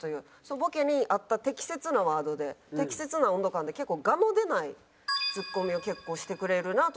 ボケに合った適切なワードで適切な温度感で我の出ないツッコミを結構してくれるなと。